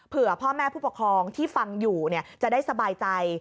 พ่อแม่ผู้ปกครองที่ฟังอยู่จะได้สบายใจ